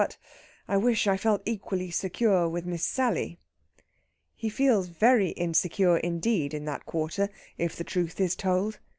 But I wish I felt equally secure with Miss Sally." He feels very insecure indeed in that quarter, if the truth is told.